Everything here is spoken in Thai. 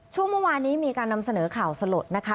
เมื่อวานนี้มีการนำเสนอข่าวสลดนะคะ